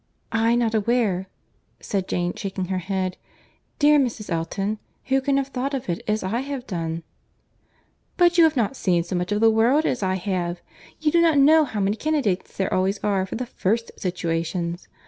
"I not aware!" said Jane, shaking her head; "dear Mrs. Elton, who can have thought of it as I have done?" "But you have not seen so much of the world as I have. You do not know how many candidates there always are for the first situations.